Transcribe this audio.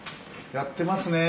やってますね。